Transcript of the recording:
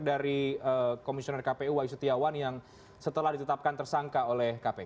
dari komisioner kpu wayu setiawan yang setelah ditetapkan tersangka oleh kpk